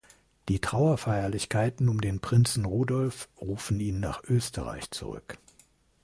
Die Trauerfeierlichkeiten um den Prinzen Rudolph rufen ihn nach Österreich zurück.